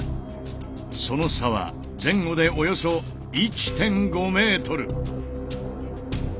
その差は前後でおよそ１．５ｍ。